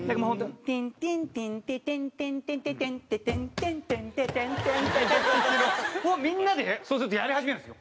「テンテンテンテテンテンテテテンテ」「テンテンテンテテンテンテテテンテ」をみんなでそうするとやり始めるんですよ。